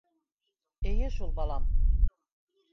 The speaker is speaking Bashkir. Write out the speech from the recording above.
— Эйе шул, балам.